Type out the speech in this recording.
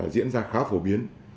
diễn ra khá phổ biến